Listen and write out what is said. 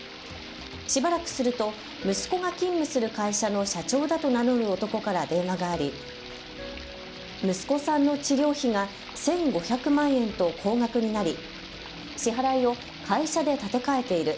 しばらくすると息子が勤務する会社の社長だと名乗る男から電話があり息子さんの治療費が１５００万円と高額になり支払いを会社で立て替えている。